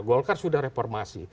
golkar sudah reformasi